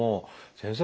先生